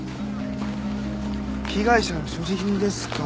被害者の所持品ですか。